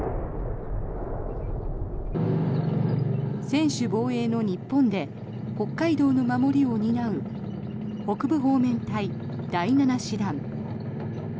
専守防衛の日本で北海道の守りを担う北部方面隊第７師団。